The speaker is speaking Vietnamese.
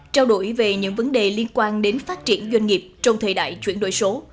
trao đổi về những vấn đề liên quan đến phát triển doanh nghiệp trong thời đại chuyển đổi số